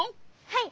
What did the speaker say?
はい。